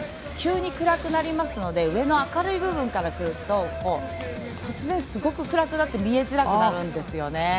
急に暗くなりますので上の明るい部分から来ると突然暗くなって見えづらくなるんです。